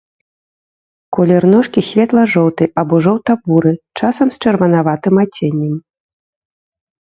Колер ножкі светла-жоўты, або жоўта-буры, часам з чырванаватым адценнем.